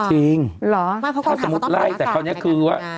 จริงถ้าจะมุดไล่แต่คราวนี้คือว่า